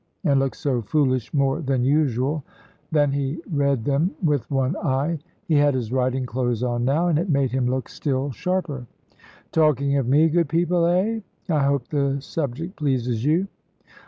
and looked so foolish more than usual, that he read them with one eye. He had his riding clothes on now, and it made him look still sharper. "Talking of me, good people, eh? I hope the subject pleases you.